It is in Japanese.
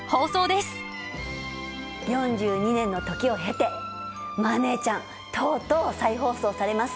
４２年の時を経て「マー姉ちゃん」とうとう再放送されます。